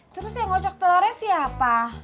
terus yang ngocok telurnya siapa